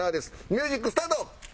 ミュージックスタート！